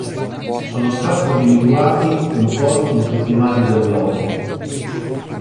Sono stati individuati un po' in tutti i mari del globo.